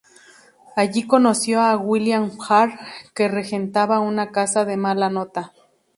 Allí conoció a William Hare, que regentaba una casa de mala nota.